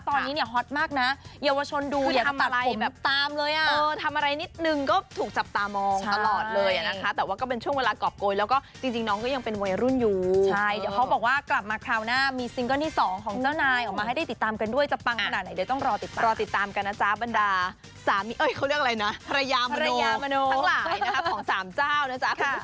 เป็นเด็กปลอยเต็มนะครับเป็นเด็กปลอยเต็มนะครับเป็นเด็กปลอยเต็มนะครับเป็นเด็กปลอยเต็มนะครับเป็นเด็กปลอยเต็มนะครับเป็นเด็กปลอยเต็มนะครับเป็นเด็กปลอยเต็มนะครับเป็นเด็กปลอยเต็มนะครับเป็นเด็กปลอยเต็มนะครับเป็นเด็กปลอยเต็มนะครับเป็นเด็กปลอยเต็มนะครับเป็นเด็กปลอยเต็มนะครับเป็นเด็กปลอยเต็มนะครับ